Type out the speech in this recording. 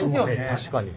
確かに。